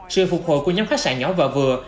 sự phục hồi của nhóm khách sạn nhỏ và vừa